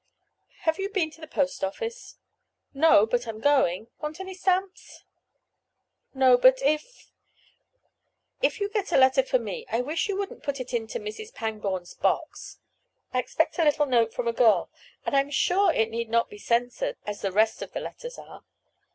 Have you been to the post office?" "No, but I'm going. Want any stamps?" "No. But if—if you get a letter for me I wish you wouldn't put it into Mrs. Pangborn's box—I expect a little note from a girl, and I'm sure it need not be censored, as the rest of the letters are."